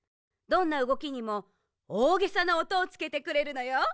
どんなうごきにもおおげさなおとをつけてくれるのよ。